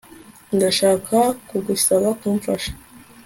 Ndashaka kugusaba kumfasha